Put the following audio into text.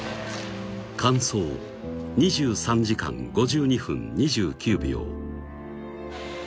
完走２３時間５２分２９秒